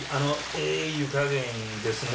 ええ湯加減ですね。